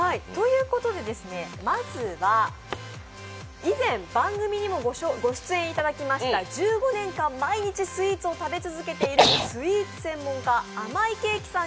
まずは以前、番組にもご出演いただきました１５年間、毎日スイーツを食べ続けているスイーツ専門家、あまいけいきさん